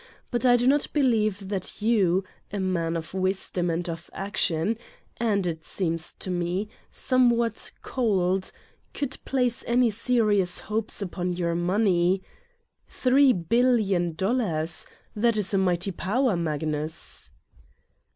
But I do not believe that you, a man of wisdom and of action, and, it seems to me, some what cold, could place any serious hopes upon your money "" Three billion dollars that is a mighty power, Magnus